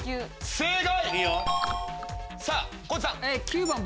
正解！